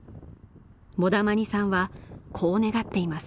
モダマニさんはこう願っています。